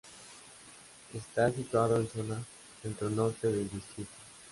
Está situado en zona centro-norte del distrito.